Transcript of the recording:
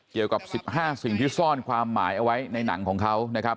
เกี่ยวกับ๑๕สิ่งที่ซ่อนความหมายเอาไว้ในหนังของเขานะครับ